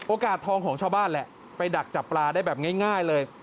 ทองของชาวบ้านแหละไปดักจับปลาได้แบบง่ายเลย